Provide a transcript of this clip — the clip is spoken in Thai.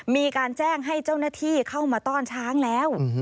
มีการแจ้งให้เจ้าหน้าที่เข้ามาต้อนช้างแล้ว